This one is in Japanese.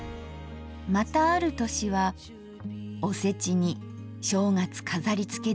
またある年は「おせち煮正月かざりつけで忙しい」。